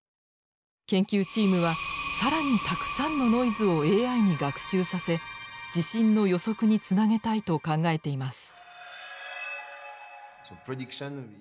研究チームは更にたくさんのノイズをＡＩに学習させ地震の予測につなげたいと考えています。